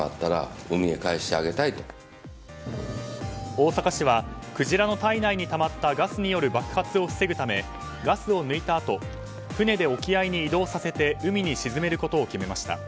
大阪市はクジラの体内にたまったガスによる爆発を防ぐためガスを抜いたあと船で沖合に移動させて海に沈めることを決めました。